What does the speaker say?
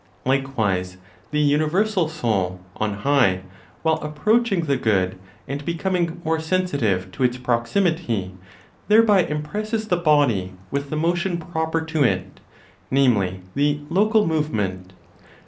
Likewise the universal Soul, on high, while approaching the Good, and becoming more sensitive (to its proximity), thereby impresses the body with the motion proper to it, namely, the local movement.